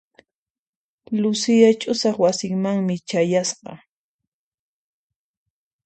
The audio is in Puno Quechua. Lucia ch'usaq wasimanmi chayasqa.